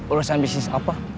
urusan bisnis apa